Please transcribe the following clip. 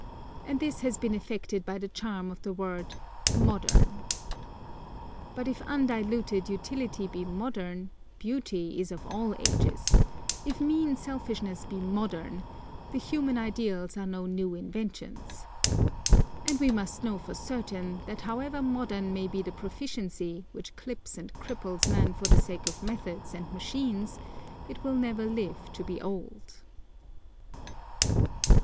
And this has been effected by the charm of the word 'modern.' But if undiluted utility be modern, beauty is of all ages; if mean selfishness be modern, the human ideals are no new inventions. And we must know for certain, that however modern may be the proficiency, which clips and cripples man for the sake of methods and machines, it will never live to be old.